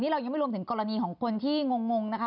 เรายังไม่รวมถึงกรณีของคนที่งงนะคะ